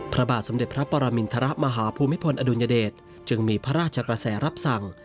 พระบาทสมเด็จพระปรมินทรมาฮภูมิพลอดุลยเดชจึงมีพระราชกระแสรับสั่ง